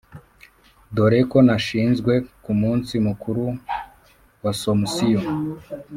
dore ko yanashinzwe ku munsi mukuru waasomusiyo